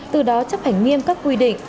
từ đó chấp hành nghiêm các quy định